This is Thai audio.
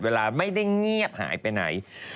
เวลาไม่ได้เงียบหายไปไหน